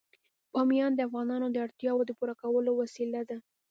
بامیان د افغانانو د اړتیاوو د پوره کولو وسیله ده.